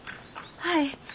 はい。